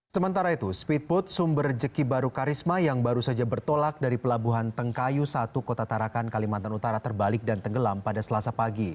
sementara itu speedboat sumber jeki baru karisma yang baru saja bertolak dari pelabuhan tengkayu satu kota tarakan kalimantan utara terbalik dan tenggelam pada selasa pagi